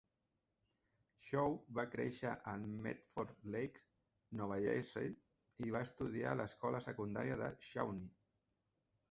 Tchou va créixer a Medford Lakes, Nova Jersey i va estudiar a l'escola secundària Shawnee.